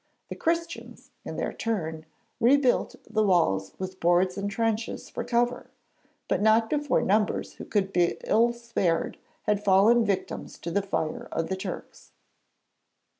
The Christians, in their turn, rebuilt the walls with boards and trenches for cover, but not before numbers who could ill be spared had fallen victims to the fire of the Turks.